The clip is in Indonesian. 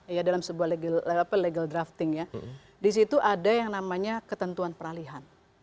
ya dalam sebuah legal drafting ya di situ ada yang namanya ketentuan peralihan